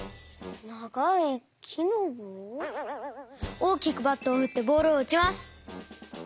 おおきくバットをふってボールをうちます。